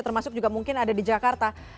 termasuk juga mungkin ada di jakarta